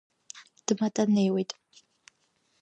Дматанеиуеит.